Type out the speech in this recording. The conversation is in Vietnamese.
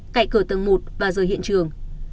cậy cửa tầng một và rời hiện trường